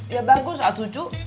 ya bagus ah cucu